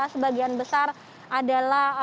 sebagian besar adalah